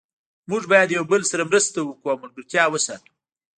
موږ باید یو بل سره مرسته وکړو او ملګرتیا وساتو